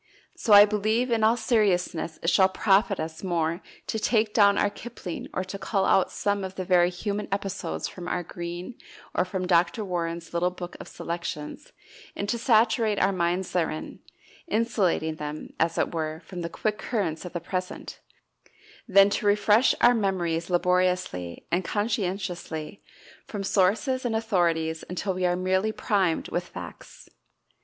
So I believe, in all seriousness, it shall profit us more to take down our Kipling or to cull out some of the very human episodes from our Green, or from Dr. Warren's little book of selections, and to saturate our minds therein insulating them, as it were, from the quick currents of the present than to refresh our memories laboriously and conscientiously from sources and authorities until we are merely primed with facts.